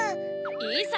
いいさ！